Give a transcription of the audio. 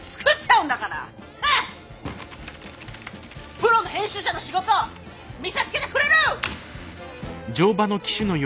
プロの編集者の仕事見せつけてくれる！